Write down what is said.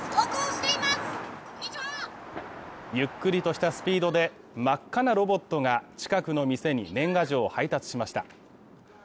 ゆっくりとしたスピードで真っ赤なロボットが近くの店に年賀状を配達しました。